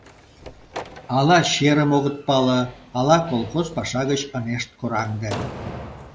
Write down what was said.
Ала черым огыт пале, ала колхоз паша гыч ынешт кораҥде...